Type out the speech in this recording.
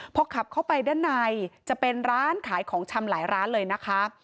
พอขับเข้าไปด้านในจะเป็นร้านขายของชำหลายร้านเลยนะคะ